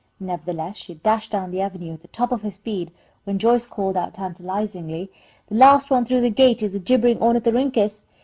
Nevertheless, she dashed down the avenue at the top of her speed, when Joyce called out, tantalisingly, "The last one through the gate is a jibbering ornithorhynchus!"